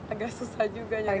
agak susah juga nyari lari